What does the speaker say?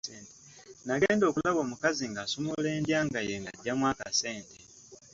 Nagenda okulaba ng'omukazi asumulula endyanga ye ng'aggyamu akasente.